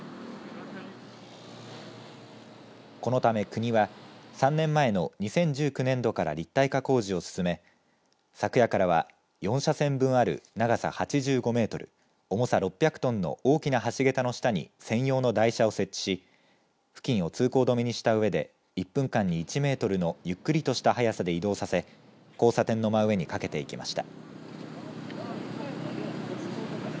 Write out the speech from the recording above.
このため国は３年前の２０１９年度から立体化工事を進め昨夜からは４車線分ある長さ８５メートル重さ６００トンの大きな橋桁の下に専用の台車を設置し付近を通行止めにしたうえで１分間に１メートルのゆっくりとした速さで移動させ交差点の真上にかけていきました。